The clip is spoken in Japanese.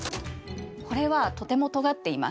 これはとてもとがっています。